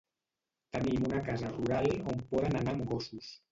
Tenim una casa rural on poden anar amb gossos.